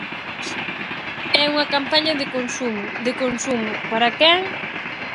E unha campaña de consumo, de consumo ¿para quen?